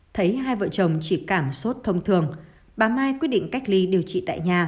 thấy hai vợ chồng chỉ cảm sốt thông thường bà mai quyết định cách ly điều trị tại nhà